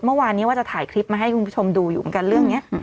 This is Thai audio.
เมื่อวานนี้ว่าจะถ่ายคลิปมาให้คุณผู้ชมดูอยู่เหมือนกันเรื่องนี้